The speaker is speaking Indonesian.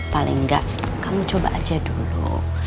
paling nggak kamu coba aja dulu